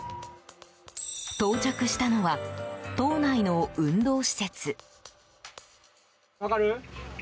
到着したのは、島内の運動施設。